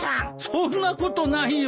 そんなことないよ。